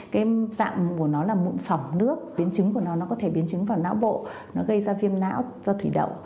cái dạng của nó là mụn phỏng nước biến chứng của nó nó có thể biến chứng vào não bộ nó gây ra viêm não do thủy đậu